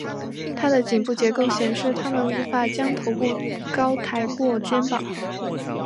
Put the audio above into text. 它们颈部结构显示它们无法将头部高抬过肩膀。